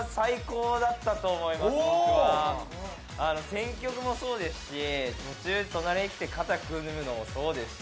選曲もそうですし途中隣に来て肩組むのもそうですし。